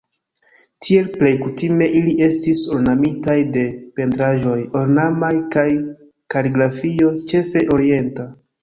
Tie plej kutime ili estis ornamitaj de pentraĵoj ornamaj kaj kaligrafio, ĉefe orienta.